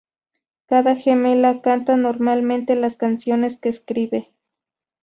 Cada gemela canta normalmente las canciones que escribe.